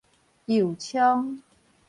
右昌